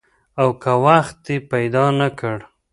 او که وخت دې پیدا نه کړ؟